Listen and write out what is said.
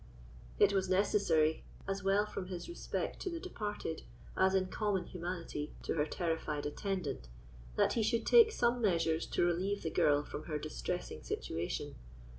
It was necessary, as well from his respect to the departed as in common humanity to her terrified attendant, that he should take some measures to relieve the girl from her distressing situation.